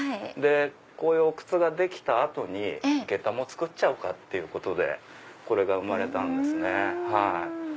こういうお靴ができた後に下駄も作っちゃうかってことでこれが生まれたんですね。